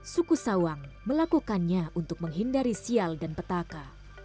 suku sawang melakukannya untuk menghindari sial dan petaka